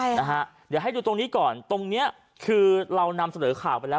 ใช่นะฮะเดี๋ยวให้ดูตรงนี้ก่อนตรงเนี้ยคือเรานำเสนอข่าวไปแล้ว